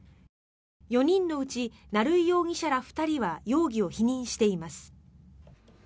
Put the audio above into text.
４人のうち、成井容疑者ら２人は容疑を否認しています。